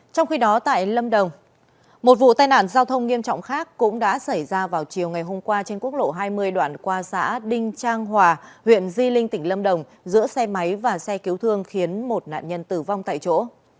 trong khi đó tại lâm đồng một vụ tai nạn giao thông nghiêm trọng khác cũng đã xảy ra vào chiều ngày hôm qua trên quốc lộ hai mươi đoạn qua xã đinh trang hòa huyện di linh tỉnh lâm đồng giữa xe máy và xe cứu thương khiến một nạn nhân tử vong tại chỗ